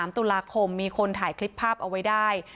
๓ตุลาคมมีคนถ่ายคลิปภาพเอาไว้ได้